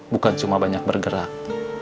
bukan cuma banyak bergerak